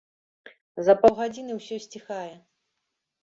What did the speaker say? За паўгадзіны ўсё сціхае.